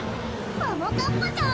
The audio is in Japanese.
ももかっぱちゃん